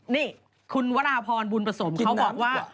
นี่คุณวราพรบุญประสมเขาบอกว่า